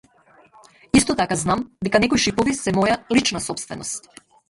Исто така знам дека некои шипови се моја лична сопственост.